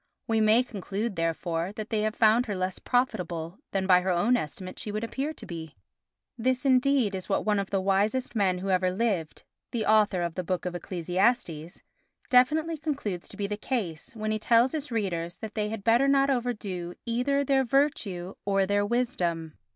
We may conclude, therefore, that they have found her less profitable than by her own estimate she would appear to be. This indeed is what one of the wisest men who ever lived—the author of the Book of Ecclesiastes—definitely concludes to be the case, when he tells his readers that they had better not overdo either their virtue or their wisdom.